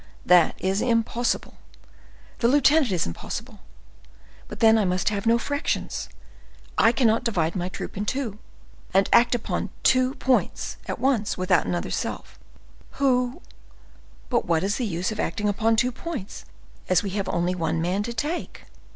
that is impossible. The lieutenant is impossible. But then I must have no fractions; I cannot divide my troop in two, and act upon two points, at once, without another self, who—But what is the use of acting upon two points, as we have only one man to take?